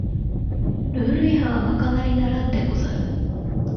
ルール違反はまかなりならんでござる